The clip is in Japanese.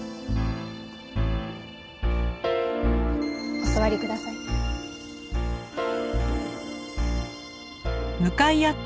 お座りください。